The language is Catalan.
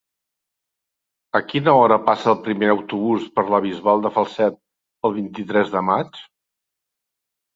A quina hora passa el primer autobús per la Bisbal de Falset el vint-i-tres de maig?